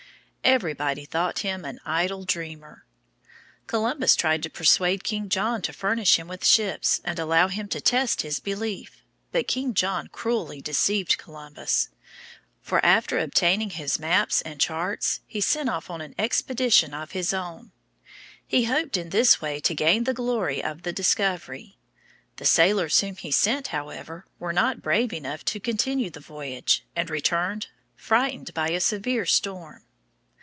Everybody thought him an idle dreamer. Columbus tried to persuade King John to furnish him with ships and allow him to test his belief. But King John cruelly deceived Columbus; for, after obtaining his maps and charts, he sent off an expedition of his own. He hoped in this way to gain the glory of the discovery. The sailors whom he sent, however, were not brave enough to continue the voyage, and returned, frightened by a severe storm.